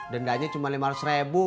dendanya cuma lima ratus ribu